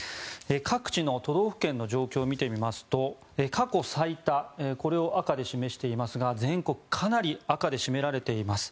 各地の都道府県の状況を見てみますと過去最多これを赤で示していますが全国かなり赤で占められています。